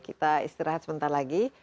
kita istirahat sebentar lagi